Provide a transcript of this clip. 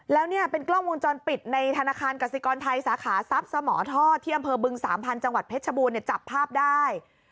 แล้วเนี่ยเป็นกล้องวงจรปิดในธนาคารกสิกรไทยสาขาทรัพย์สมท่อที่อำเภอบึงสามพันธ์จังหวัดเพชรชบูรณจับภาพได้